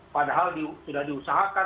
padahal sudah diusahakan